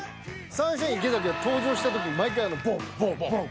サンシャイン池崎は登場した時毎回あのボンボンボンボン。